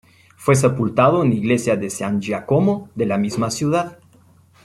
Fue sepultado en la iglesia de San Giacomo de la misma ciudad.